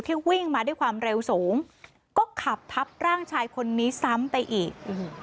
วิ่งมาด้วยความเร็วสูงก็ขับทับร่างชายคนนี้ซ้ำไปอีก